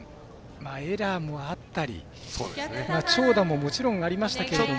エラーもあったり長打ももちろんありましたけども。